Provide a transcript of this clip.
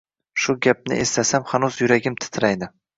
Shu gapni eslasam, hanuz yuragim titraydi…